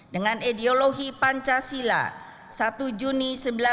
dengan ideologi pancasila satu juni seribu sembilan ratus empat puluh